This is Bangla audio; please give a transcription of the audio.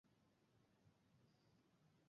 আর কোন আশাহীন প্রেম অনন্ত যন্ত্রণা দেবে না।